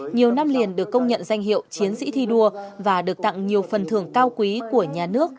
nhiều năm liền được công nhận danh hiệu chiến sĩ thi đua và được tặng nhiều phần thưởng cao quý của nhà nước